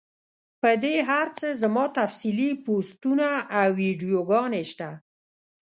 پۀ دې هر څۀ زما تفصیلي پوسټونه او ويډيوګانې شته